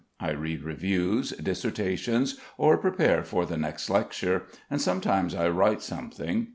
I read reviews, dissertations, or prepare for the next lecture, and sometimes I write something.